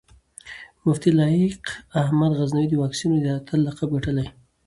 مفتي لائق احمد غزنوي د واکسينو د اتل لقب ګټلی